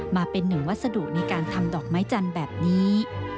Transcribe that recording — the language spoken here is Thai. มาเป็นหนึ่งวัสดุในการทำดอกไม้จันทร์แบบนี้